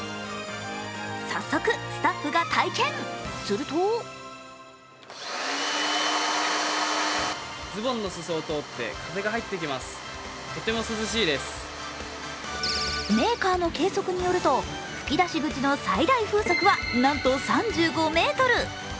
早速スタッフが体験、するとメーカーの計測によると、噴き出し口の最大風速はなんと３５メートル。